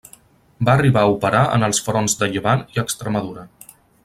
Va arribar a operar en els fronts de Llevant i Extremadura.